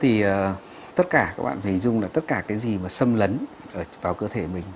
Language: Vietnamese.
thì tất cả các bạn hình dung là tất cả cái gì mà xâm lấn vào cơ thể mình